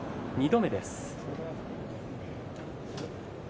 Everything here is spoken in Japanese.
２度目です。